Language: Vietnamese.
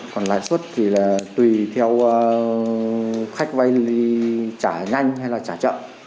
còn lãi suất thì là tùy theo khách vay trả nhanh hay là trả chậm